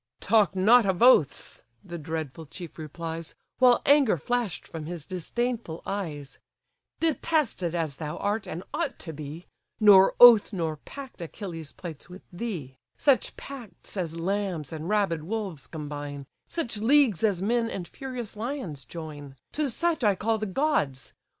"Talk not of oaths (the dreadful chief replies, While anger flash'd from his disdainful eyes), Detested as thou art, and ought to be, Nor oath nor pact Achilles plights with thee: Such pacts as lambs and rabid wolves combine, Such leagues as men and furious lions join, To such I call the gods!